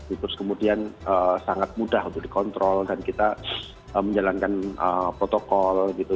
terus kemudian sangat mudah untuk dikontrol dan kita menjalankan protokol gitu